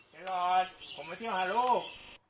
ผมมาเที่ยวหาลูก